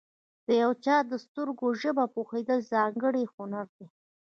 د یو چا د سترګو ژبه پوهېدل، ځانګړی هنر دی.